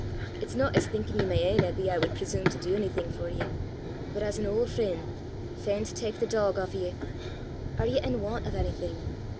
It's no as thinkin' ye my ain, Eppy, I wud preshume to du onything for ye, but as an auld freen', fain to tak the dog aff o' ye. Are ye in want o' onything?